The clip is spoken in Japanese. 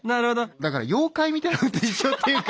だから妖怪みたいなっていうか。